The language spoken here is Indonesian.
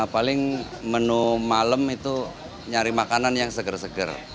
paling menu malam itu nyari makanan yang seger seger